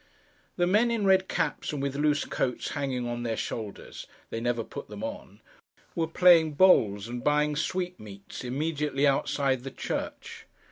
The men, in red caps, and with loose coats hanging on their shoulders (they never put them on), were playing bowls, and buying sweetmeats, immediately outside the church.